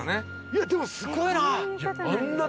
いやでもすごいな。